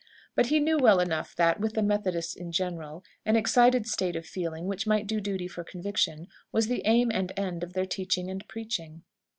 But he knew well enough that, with the Methodists in general, an excited state of feeling, which might do duty for conviction, was the aim and end of their teaching and preaching.